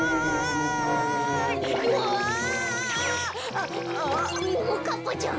あっももかっぱちゃん